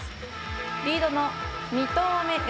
リードの２投目